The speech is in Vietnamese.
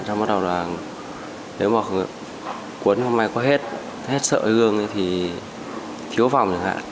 trong bắt đầu là nếu mà cuốn hôm nay có hết sợi hương thì thiếu vòng chẳng hạn